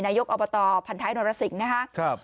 นายกอบตพันธุ์ไทยนรสสิงฯนะครับ